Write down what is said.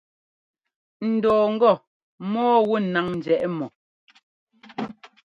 N dɔɔ ŋgɔ mɔ́ɔ wu náŋ njɛ́ʼ mɔ.